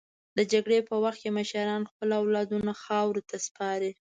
د جګړې په وخت کې مشران خپل اولادونه خاورو ته سپاري.